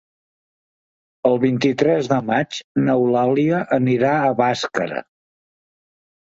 El vint-i-tres de maig n'Eulàlia anirà a Bàscara.